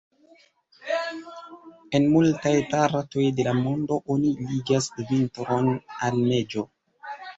En multaj partoj de la mondo, oni ligas vintron al neĝo.